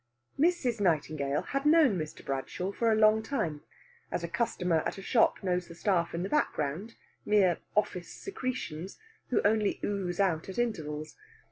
Mrs. Nightingale had known Mr. Bradshaw for a long time as a customer at a shop knows the staff in the background, mere office secretions, who only ooze out at intervals.